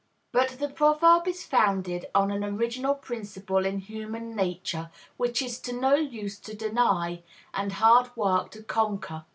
But the proverb is founded on an original principle in human nature, which it is no use to deny and hard work to conquer.